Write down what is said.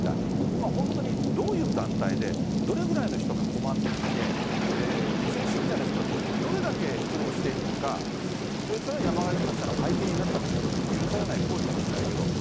今、本当にどういう団体で、どれぐらいの人が困っていて、２世信者の人たち、どれだけ苦労しているのか、それは山上容疑者の背景になったかもしれない、許されない行為かもしれないけれども。